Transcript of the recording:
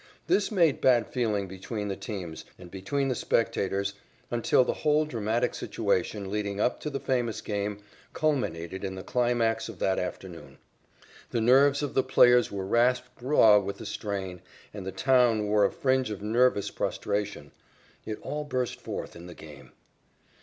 This made bad feeling between the teams and between the spectators, until the whole dramatic situation leading up to the famous game culminated in the climax of that afternoon. The nerves of the players were rasped raw with the strain, and the town wore a fringe of nervous prostration. It all burst forth in the game.